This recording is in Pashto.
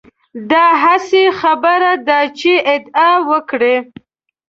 دا هسې خبره ده چې ادعا وکړي.